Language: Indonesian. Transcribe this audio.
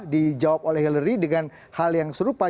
dijawab oleh hillary dengan hal yang serupa